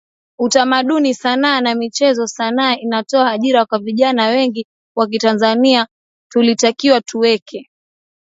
Utamaduni Sanaa na Michezo Sanaa inatoa ajira kwa vijanaa wengi wa kitanzania tulitakiwa tuweke